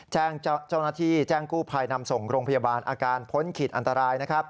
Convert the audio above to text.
แจ้งเจ้าหน้าที่แจ้งกู้ภัยนำส่งโรงพยาบาลอาการพ้นขีดอันตรายนะครับ